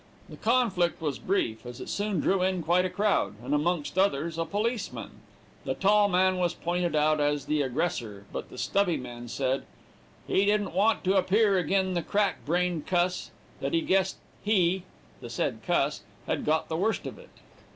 The conflict was brief, as it soon drew in quite a crowd, and amongst others a policeman. The tall man was pointed out as the aggressor, but the stubby man said "he didn't want to appear agin' the crack brained cuss; that he guessed he (the said cuss) had got the worst of it."